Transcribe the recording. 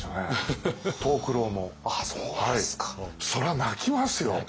そら泣きますよ。